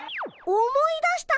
あっ思い出した。